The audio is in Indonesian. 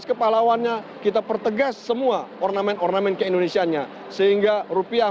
kita pertegas kepahlawannya kita pertegas semua ornamen ornamen ke indonesia nya sehingga rupiah